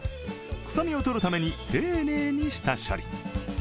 臭みを取るために丁寧に下処理。